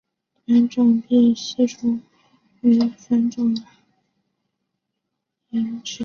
团山并殖吸虫为并殖科并殖属的动物。